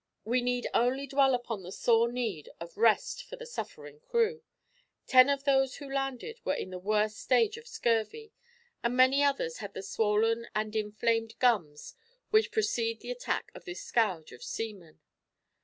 We need only dwell upon the sore need of rest for the suffering crew: ten of those who landed were in the worst stage of scurvy, and many others had the swollen and inflamed gums which precede the attack of this scourge of seamen.